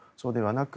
なく